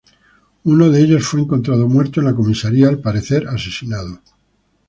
Uno de ellos fue encontrado muerto en la comisaría, al parecer asesinado.